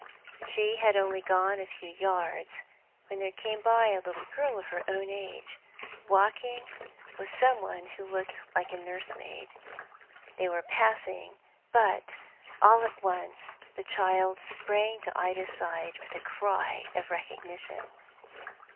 She had only gone a few yards, when there came by a little girl of her own age, walking with some one who looked like a nurse maid. They were passing; but all at once the child sprang to Ida's side with a cry of recognition.